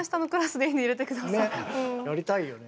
ねっやりたいよね。